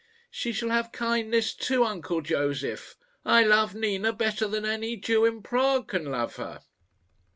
"She shall have kindness too, uncle Josef. I love Nina better than any Jew in Prague can love her."